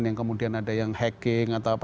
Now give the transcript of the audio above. yang kemudian ada yang hacking atau apa